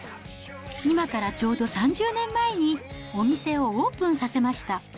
今からちょうど３０年前にお店をオープンさせました。